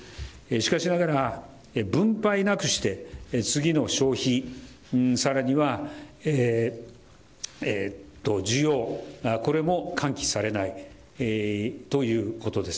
しかしながら、分配なくして次の消費、さらには、需要、これも喚起されないということです。